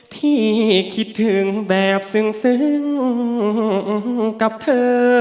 ที่คิดถึงแบบซึ้งกับเธอ